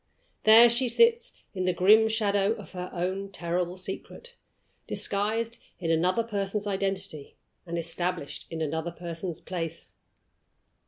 There she sits in the grim shadow of her own terrible secret, disguised in another person's identity, and established in another person's place.